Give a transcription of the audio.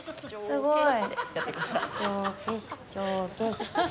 すごい。